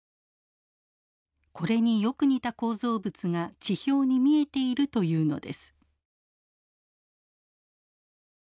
これによく似た構造物が地表に見えているというのです。